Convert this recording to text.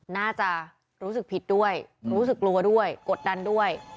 น่าจะรู้สึกผิดด้วยรู้สึกกลัวด้วยกดดันด้วย